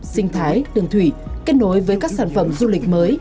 sinh thái đường thủy kết nối với các sản phẩm du lịch mới